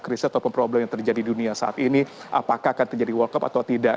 krisis ataupun problem yang terjadi di dunia saat ini apakah akan terjadi world cup atau tidak